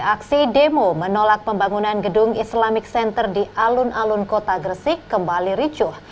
aksi demo menolak pembangunan gedung islamic center di alun alun kota gresik kembali ricuh